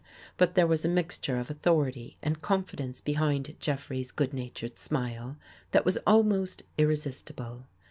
But there was a mixture of authority and confidence behind Jeffrey's good natured smile, that was almost irre sistible.